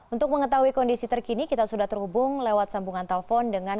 untuk mengetahui kondisi terkini kita sudah terhubung lewat sambungan telepon dengan